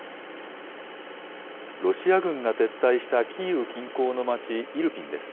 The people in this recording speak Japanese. ロシア軍が撤退したキーウ近郊の街、イルピンです。